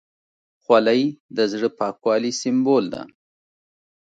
خولۍ د زړه پاکوالي سمبول ده.